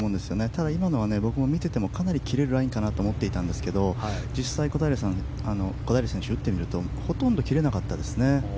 ただ今のは僕も見ていてもかなり切れるラインかと思っていたんですけど実際に小平選手は打ってみるとほとんど切れなかったです。